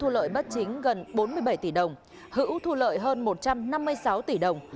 lợi bất chính gần bốn mươi bảy tỷ đồng hữu thu lợi hơn một trăm năm mươi sáu tỷ đồng